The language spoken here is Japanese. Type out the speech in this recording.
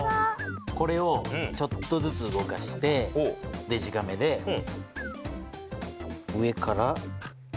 これをちょっとずつ動かしてデジカメで上から。